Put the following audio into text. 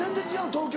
東京。